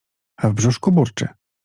A w brzuszku burczy!